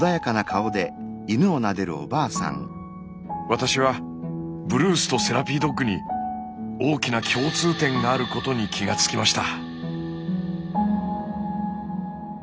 私はブルースとセラピードッグに大きな共通点があることに気が付きました。